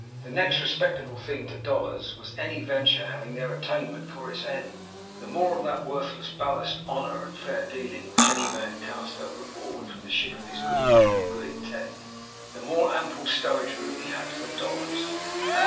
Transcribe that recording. The next respectable thing to dollars was any venture having their attainment for its end. The more of that worthless ballast, honour and fair dealing, which any man cast overboard from the ship of his Good Name and Good Intent, the more ample stowage room he had for dollars.